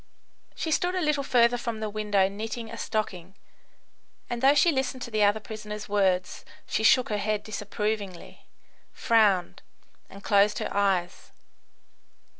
She stood a little further from the window knitting a stocking, and though she listened to the other prisoners' words she shook her head disapprovingly, frowned, and closed her eyes.